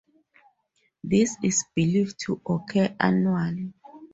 This is believed to occur annually.